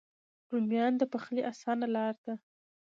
رومیان د پخلي آسانه لاره ده